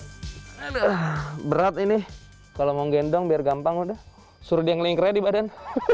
kalau menggendong biar gampang udah suruh yang lingkar di badan hahaha ya kalau mau gendong biar gampang sudah suruh dia ngelingkarnya di badan